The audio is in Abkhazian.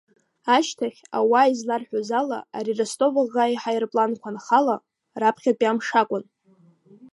Ашьҭахь, ауаа изларҳәоз ала, ари Ростов аӷа иҳаирпланқәа анхала, раԥхьатәи амш акәын.